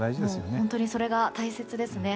本当にそれが大切ですね。